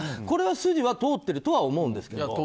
これは筋は通ってるとは思うんですけど。